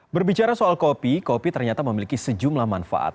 berbicara soal kopi kopi ternyata memiliki sejumlah manfaat